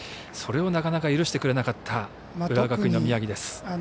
それをなかなか許してくれなかった浦和学院の宮城です。